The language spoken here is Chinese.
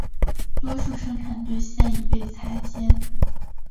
多数生产队现已被拆迁。